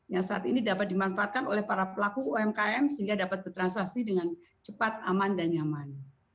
yang saat ini dapat dimanfaatkan oleh para pelaku umkm sehingga dapat bertransaksi dengan cepat aman dan nyaman